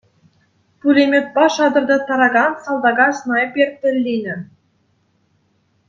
Пулеметпа шатӑртаттаракан салтака снайпер тӗлленӗ.